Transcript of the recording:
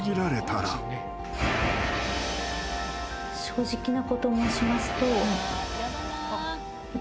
正直なこと申しますと。